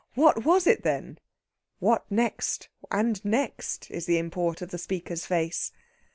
What was it then?" What next, and next? is the import of the speaker's face.